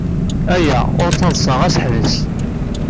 Aya ur d taḍsa, ɣas ḥbes!